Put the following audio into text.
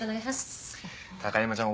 高山ちゃん